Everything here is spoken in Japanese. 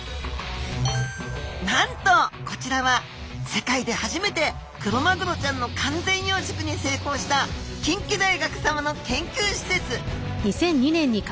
なんとこちらは世界で初めてクロマグロちゃんの完全養殖に成功した近畿大学さまの研究施設。